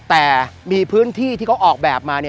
แต่มีพื้นที่ที่เขาออกแบบมา